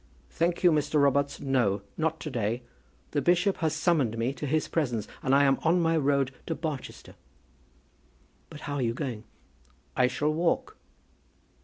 "Thank you, Mr. Robarts; no, not to day. The bishop has summoned me to his presence, and I am on my road to Barchester." "But how are you going?" "I shall walk."